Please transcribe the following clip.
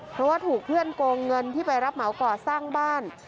เพราะว่าถูกเพื่อนโกงเงินที่ไปรับเหมาก่อสร้างบ้าน